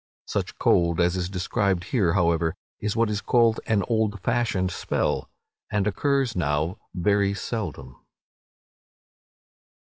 Such cold as is described here, however, is what is called "an old fashioned spell," and occurs now but seldom.